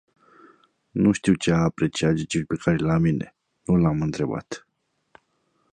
Nu știu ce a apreciat Gigi Becali la mine, nu l-am întrebat.